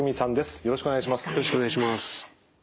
よろしくお願いします。